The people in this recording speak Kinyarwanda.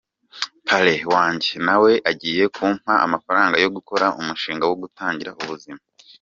Parrain wanjye nawe agiye kumpa amafranga yo gukora umushinga wo gutangira ubuzima.